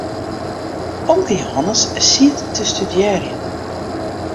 Omke Jehannes siet te studearjen.